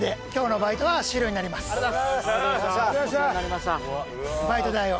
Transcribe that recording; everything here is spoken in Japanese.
バイト代を。